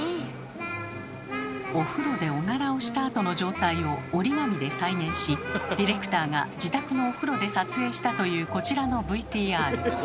お風呂でオナラをしたあとの状態を折り紙で再現しディレクターが自宅のお風呂で撮影したというこちらのＶＴＲ。